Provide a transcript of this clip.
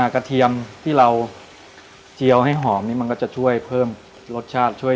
กระเทียมที่เราเจี๊ยวให้หอมมันก็จะให้ช่วย